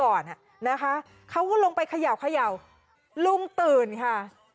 ต้องช่วยก่อนนะคะเขาก็ลงไปเขย่าลุงตื่นค่ะ